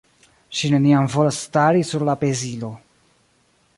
Ŝi neniam volas stari sur la pezilo.